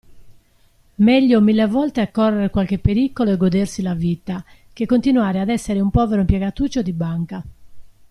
Meglio mille volte correr qualche pericolo e godersi la vita, che continuare ad essere un povero impiegatuccio di banca.